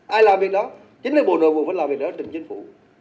ai làm việc đó chính bộ đội phòng phải làm việc đó chính chính phủ